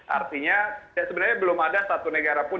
artinya sebenarnya belum ada satu negara pun